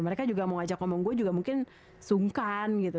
mereka juga mau ajak omong gue juga mungkin sungkan gitu